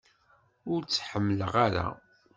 Ur tt-ḥemmleɣ ara.